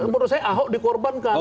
menurut saya ahok dikorbankan